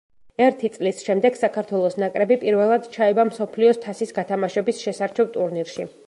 ერთი წლის შემდეგ საქართველოს ნაკრები პირველად ჩაება მსოფლიოს თასის გათამაშების შესარჩევ ტურნირში.